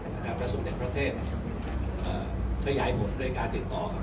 และสมเด็จพระเทพขยายผลโดยการติดต่อกับ